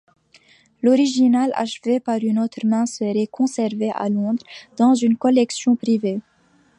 L'original achevé par une autre main serait conservé à Londres dans une collection privée.